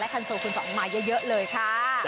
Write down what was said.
คันโซคุณสองมาเยอะเลยค่ะ